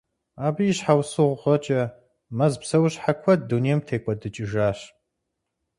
Абы и щхьэусыгъуэкӏэ, мэз псэущхьэ куэд дунейм текӀуэдыкӀыжащ.